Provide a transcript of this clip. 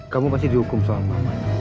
kamu masih dihukum soal mama